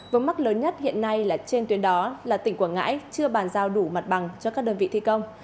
vấn mắc lớn nhất hiện nay là trên tuyến đó là tỉnh quảng ngãi chưa bàn giao đủ mặt bằng cho các đơn vị thi công